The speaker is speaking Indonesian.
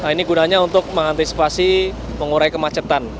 ini gunanya untuk mengantisipasi mengurai kemacetan